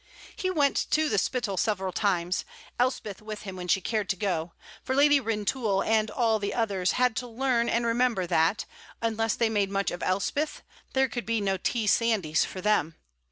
He went to the Spittal several times, Elspeth with him when she cared to go; for Lady Rintoul and all the others had to learn and remember that, unless they made much of Elspeth, there could be no T. Sandys for them.